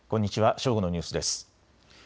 正午のニュースです。